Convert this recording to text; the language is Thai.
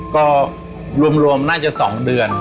ก็รวมน่าจะ๒เดือน